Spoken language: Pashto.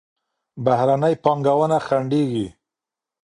بهرني پانګونه خنډېږي.